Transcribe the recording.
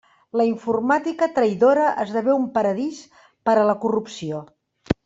La informàtica traïdora esdevé un paradís per a la corrupció.